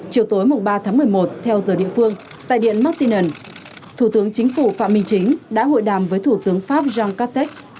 chiều tối mùng ba tháng một mươi một theo giờ địa phương tại điện martinen thủ tướng chính phủ phạm minh chính đã hội đàm với thủ tướng pháp yong catech